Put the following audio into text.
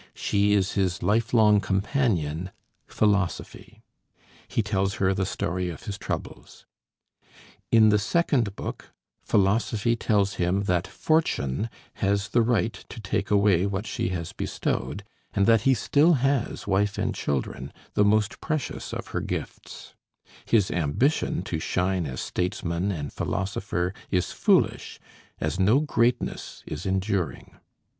She is his lifelong companion, Philosophy. He tells her the story of his troubles. In the second book, Philosophy tells him that Fortune has the right to take away what she has bestowed, and that he still has wife and children, the most precious of her gifts; his ambition to shine as statesman and philosopher is foolish, as no greatness is enduring.